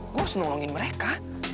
gue harus nolongin mereka